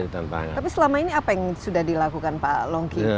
tapi selama ini apa yang sudah dilakukan pak longki